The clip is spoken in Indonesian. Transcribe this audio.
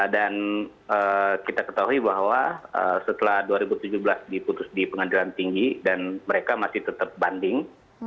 kita ketahui bahwa setelah dua ribu tujuh belas diputus di pengadilan tinggi dan mereka masih tetap banding